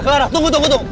kelara tunggu tunggu tunggu